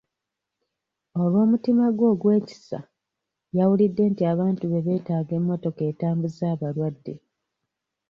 Olw'omutima gwe ogw'ekisa, yawulidde nti abantu be beetaaga emmotoka etambuza abalwadde.